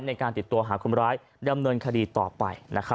ในการติดตัวหาคนร้ายดำเนินคดีต่อไป